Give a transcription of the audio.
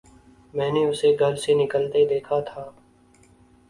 میں نے اسے گھر سے نکلتے دیکھا تھا